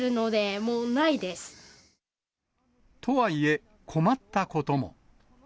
とはいえ、困ったことも。